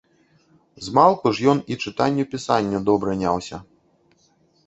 Змалку ж ён і чытанню-пісанню добра няўся.